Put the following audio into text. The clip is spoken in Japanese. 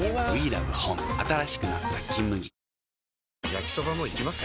焼きソバもいきます？